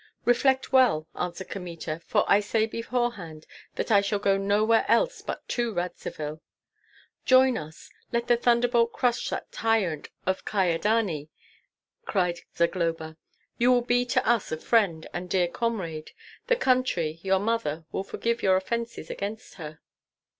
"Reflect well," answered Kmita, "for I say beforehand that I shall go nowhere else but to Radzivill." "Join us; let the thunderbolt crush that tyrant of Kyedani!" cried Zagloba. "You will be to us a friend and dear comrade; the country, your mother, will forgive your offences against her."